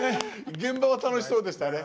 現場は楽しそうでしたね。